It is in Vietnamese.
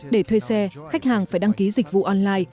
để thuê xe khách hàng phải đăng ký dịch vụ online